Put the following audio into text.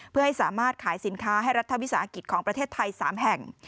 เพื่อให้สามารถขายสินค้าให้รัฐวิสาหกิจของประเทศไทย๓แห่ง